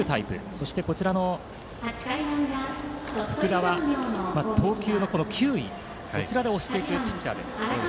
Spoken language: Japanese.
そして、こちらの福田は投球の球威で押していくピッチャーです。